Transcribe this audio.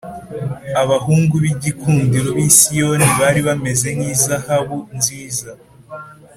Abahungu b’ibikundiro b’i Siyoni, Bari bameze nk’izahabu nziza,